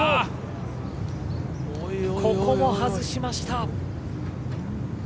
ここも外しました。